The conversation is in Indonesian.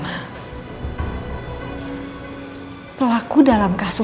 dan sekarang adalah makanya